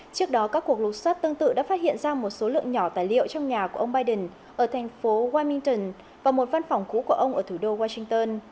trước đó các cuộc lục xot tương tự đã phát hiện ra một số lượng nhỏ tài liệu trong nhà của ông biden ở thành phố wimington và một văn phòng cũ của ông ở thủ đô washington